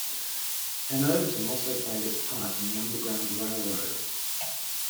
Hanoverton also played its part in the Underground Railroad.